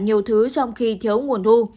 điều thứ trong khi thiếu nguồn thu